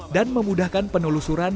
dan memudahkan penelusuran